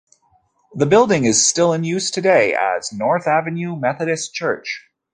The building is still in use today as the "North Avenue Methodist Church".